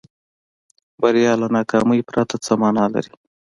بریا له ناکامۍ پرته څه معنا لري.